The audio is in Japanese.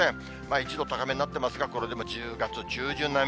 １度高めになっていますが、これでも１０月中旬並み。